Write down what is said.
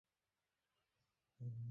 আমি আমার বোনকে ছাড়া এখান থেকে বের হবনা।